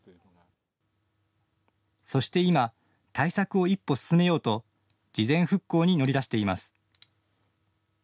そして今、対策を一歩進めようと事前復興に乗り出しています。